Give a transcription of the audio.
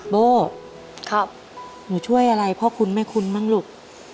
โบ้หนูช่วยอะไรพ่อคุณแม่คุ้นบ้างลูก